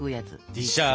ディッシャー！